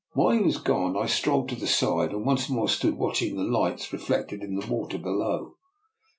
While he was gone I strolled to the side, and once more stood watching the lights reflected in the water below.